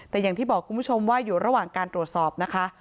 แต่อย่างที่บอกคุณผู้ชมว่าอยู่ระหว่างการตรวจสอบนะคะ